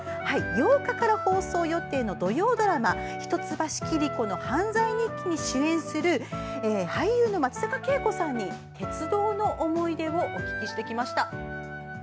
８日から放送予定の土曜ドラマ「一橋桐子の犯罪日記」に主演する俳優の松坂慶子さんに鉄道にまつわる思い出を伺いました。